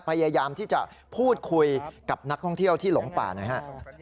พยายามที่จะพูดคุยกับนักท่องเที่ยวที่หลงป่าหน่อยฮะ